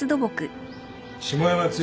下山剛。